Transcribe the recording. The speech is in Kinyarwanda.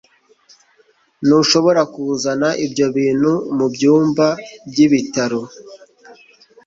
Ntushobora kuzana ibyo bintu mubyumba byibitaro.